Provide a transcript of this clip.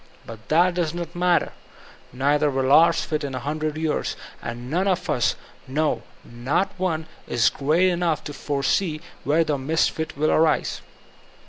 But that does not matter. Neither wiD ours fit in a hundred years, and none of us, no, not one, b great enough to foresee where the misfit will arise.